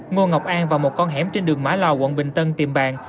ngô ngọc an và một con hẻm trên đường mã lò quận bình tân tìm bàn